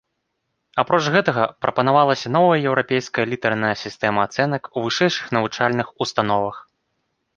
Апроч гэтага прапанавалася новая еўрапейская літарная сістэма ацэнак у вышэйшых навучальных установах.